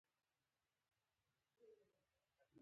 جانداد د مېوند په څېر رښتینی دی.